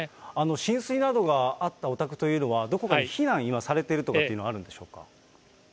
浸水などがあったお宅というのは、どこかに避難されているとかっていうのはあるんでしょうか。